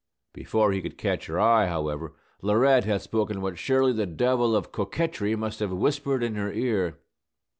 Before he could catch her eye, however, Laurette had spoken what surely the devil of coquetry must have whispered in her ear.